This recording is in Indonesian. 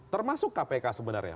termasuk kpk sebenarnya